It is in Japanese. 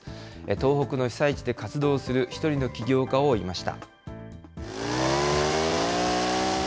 東北の被災地で活動する１人の起業家を追いました。